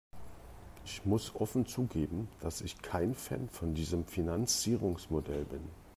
Ich muss offen zugeben, dass ich kein Fan von diesem Finanzierungsmodell bin.